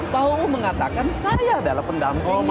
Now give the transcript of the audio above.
pak uu mengatakan saya adalah pendampingnya